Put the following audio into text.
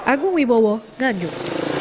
agung wibowo nganjuk